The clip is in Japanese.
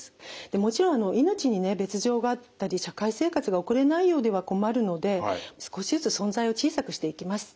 もちろん命に別状があったり社会生活が送れないようでは困るので少しずつ存在を小さくしていきます。